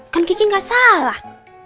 kan kiki gak salah